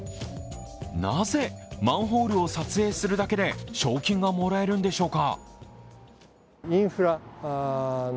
なぜマンホールを撮影するだけで賞金がもらえるんでしょうか。